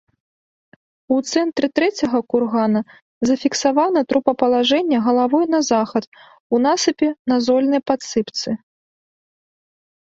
У цэнтры трэцяга кургана зафіксавана трупапалажэнне галавой на захад у насыпе на зольнай падсыпцы.